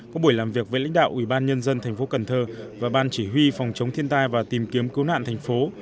có buổi làm việc với lãnh đạo ủy ban nhân dân thành phố cần thơ và ban chỉ huy phòng chống thiên tai và tìm kiếm cứu nạn thành phố